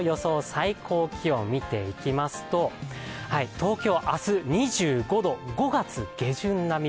最高気温を見ていきますと、東京、明日２５度、５月下旬並み。